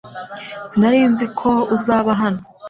Sinari nzi ko uzaba hano .